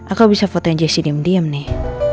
aku bisa fotonya jessy diem diem nih